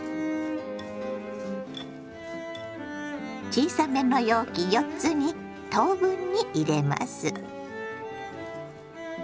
小さめの容器４つに等分に入れます。